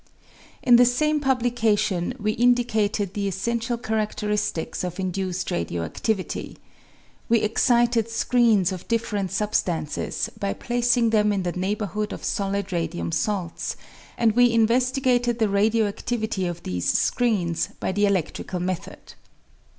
In the same publication, we indicated the essential characteristics of induced radio adivity. We excited screens of different substances by placing them in the neighbourhood of solid radium salts, and we investigated the^radio adivity of these screens by the eledrical method.